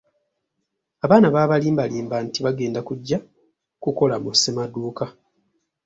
Abaana baabalimbalimba nti bagenda kujja kukola mu ssemaduuka.